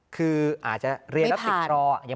ไม่ผ่าน